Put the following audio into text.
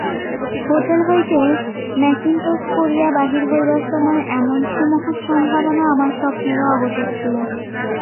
Hotel হইতে mackintosh পরিয়া বাহির হইবার সময় এমন সুমহৎ সম্ভাবনা আমার স্বপ্নেরও অগোচর ছিল।